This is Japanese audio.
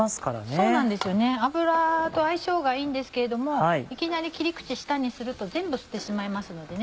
そうなんですよね油と相性がいいんですけれどもいきなり切り口下にすると全部吸ってしまいますので。